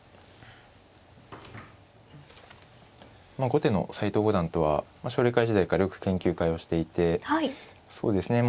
後手の斎藤五段とは奨励会時代からよく研究会をしていてそうですね